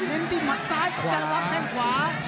นิดนึงหักซ้ายจังลำแต่งขวา